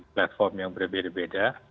platform yang berbeda beda